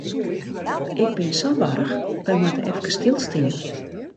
Ik bin sa warch, wy moatte efkes stilstean.